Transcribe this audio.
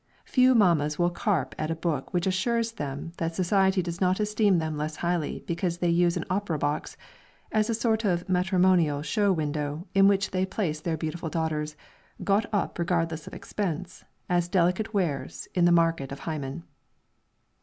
Few mammas will carp at a book which assures them that society does not esteem them less highly because they use an opera box as a sort of matrimonial show window in which they place their beautiful daughters, "got up regardless of expense," as delicate wares in the market of Hymen.